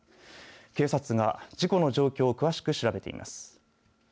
警察が事故の状況を詳しく調べています。